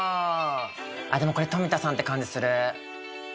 でもこれ冨田さんって感じする。